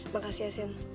makasih ya sin